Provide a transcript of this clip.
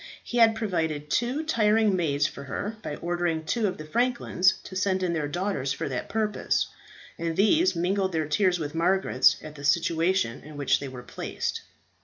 He had provided two tiring maids for her by ordering two of the franklins to send in their daughters for that purpose, and these mingled their tears with Margaret's at the situation in which they were placed.